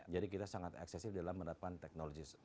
jadi kita sangat eksesif dalam menerapkan teknologi tersebut